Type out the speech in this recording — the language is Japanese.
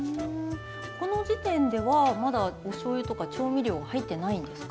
この時点ではまだおしょうゆとか調味料、入ってないんですか？